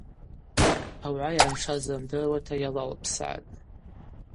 Ауагӏа йгӏаншаз рымдыруата йалалпсгӏатӏ.